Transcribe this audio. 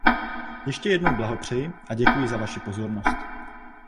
Ještě jednou blahopřeji a děkuji za vaši pozornost.